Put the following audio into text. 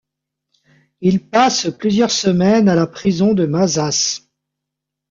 Il passe plusieurs semaines à la prison de Mazas.